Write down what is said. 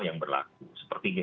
yang berlaku seperti